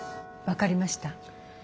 分かりました。